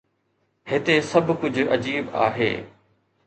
هتي سڀ ڪجهه عجيب آهي.